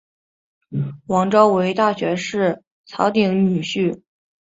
王诏为大学士曹鼐女婿。